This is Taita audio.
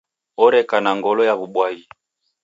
Oreka na ngolo ya w'ubwaghi.